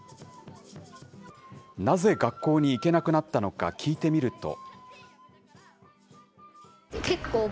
なぜ学校に行けなくなったのか、聞いてみると。